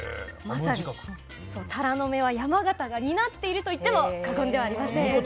まさにタラの芽は山形が担っているといっても過言ではありません。